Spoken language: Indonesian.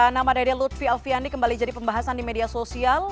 nama dede lutfi alfiandi kembali jadi pembahasan di media sosial